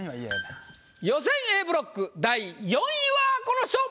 予選Ａブロック第４位はこの人！